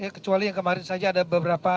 kecuali yang kemarin saja ada beberapa